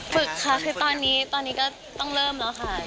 ฝึกค่ะคือตอนนี้ตอนนี้ก็ต้องเริ่มแล้วค่ะ